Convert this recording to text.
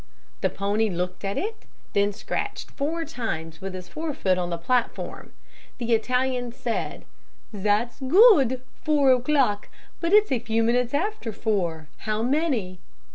The pony looked at it, then scratched four times with his forefoot on the platform. The Italian said, 'Zat's good four o'clock. But it's a few minutes after four how many?'